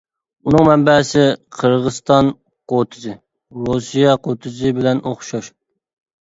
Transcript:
ئۇنىڭ مەنبەسى قىرغىزىستان قوتىزى، رۇسىيە قوتىزى بىلەن ئوخشاش.